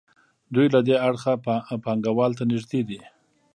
دوی له دې اړخه پانګوال ته نږدې دي.